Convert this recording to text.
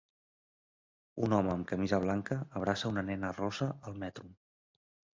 Un home amb camisa blanca abraça una nena rossa al metro.